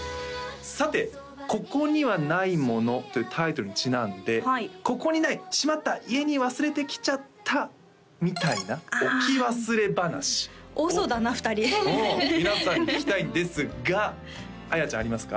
さて「ここにはないもの」というタイトルにちなんで「ここにないしまった！家に忘れてきちゃった」みたいな置き忘れ話多そうだな２人を皆さんに聞きたいんですがあやちゃんありますか？